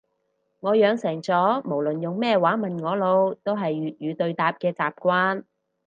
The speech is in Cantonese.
我養成咗無論用咩話問我路都係粵語對答嘅習慣